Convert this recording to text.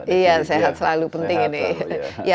iya sehat selalu penting ini